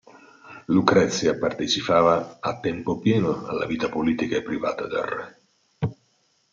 Lucrezia partecipava a tempo pieno alla vita politica e privata del re.